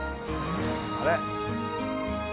あれ？